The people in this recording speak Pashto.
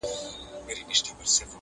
په خوب وینم چي زامن مي وژل کیږي،